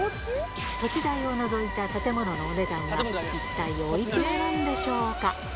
土地代を除いた建物のお値段は、一体おいくらなんでしょうか。